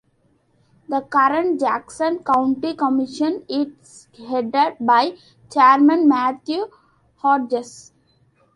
The current Jackson County Commission is headed by Chairman Matthew Hodges.